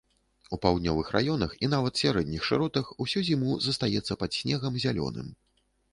У паўднёвых раёнах і нават сярэдніх шыротах усю зіму застаецца пад снегам зялёным.